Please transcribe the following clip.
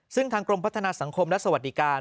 ซึ่งทางกรมพัฒนาสังคมและสวัสดิการ